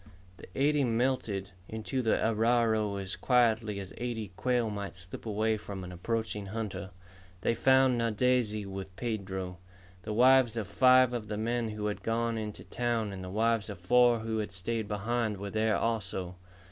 The eighty melted into the arroyo as quietly as eighty quail might slip away from an approaching hunter. They found Nadeze with Pedro. The wives of five of the men who had gone into town and the wives of four who had stayed behind were there also.